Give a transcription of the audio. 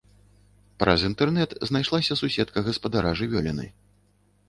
Праз інтэрнэт знайшлася суседка гаспадара жывёліны.